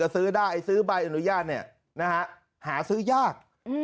ซื้อบ่ายอนุญาตเนี่ยหาซื้อยาก